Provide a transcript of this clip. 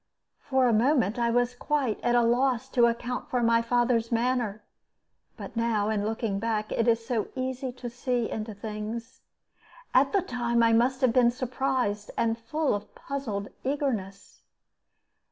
For a moment I was quite at a loss to account for my father's manner; but now, in looking back, it is so easy to see into things. At the time I must have been surprised, and full of puzzled eagerness.